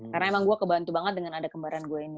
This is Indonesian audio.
karena emang gue kebantu banget dengan ada kembaran gue ini